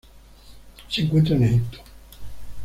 Se encuentra en Egipto.